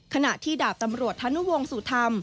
ขณะที่ดาบตำรวจธนุวงศูธรรม